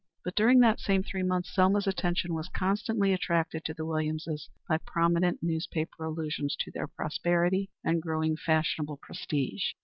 But during that same three months Selma's attention was constantly attracted to the Williamses by prominent newspaper allusions to their prosperity and growing fashionable prestige.